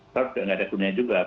terus tidak ada gunanya juga